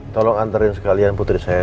tolong antarin sekalian putri saya